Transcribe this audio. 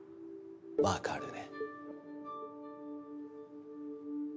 わかるね？